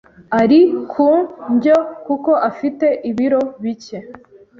Ari ku ndyo kuko afite ibiro bike.